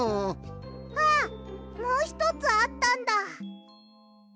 あっもうひとつあったんだ。